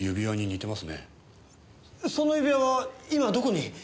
その指輪は今どこに？